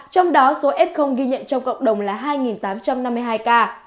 trong đó số f ghi nhận trong cộng đồng là hai tám trăm năm mươi hai ca